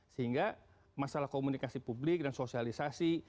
sehingga masalah komunikasi publik dan sosialisasi